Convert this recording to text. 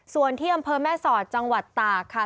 ส่วนที่อำเภอแม่สอดจังหวัดตากค่ะ